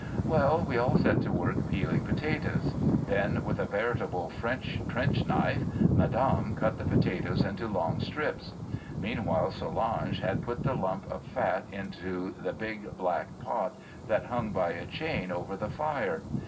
Well, we all set to work peeling potatoes. Then with a veritable French trench knife Madame cut the potatoes into long strips. Meanwhile Solange had put the lump of fat into the big black pot that hung by a chain over the fire.